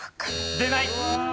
出ない。